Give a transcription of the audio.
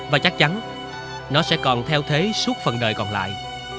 và chắc chắn nó sẽ còn theo thế suốt phần đời còn lại